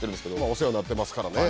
お世話になってますからね。